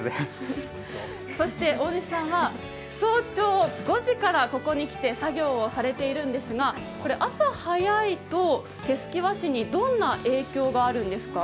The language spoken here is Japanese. そして大西さんは早朝５時からここに来て作業をされているんですが朝早いと手すき和紙にどんな影響があるんですか？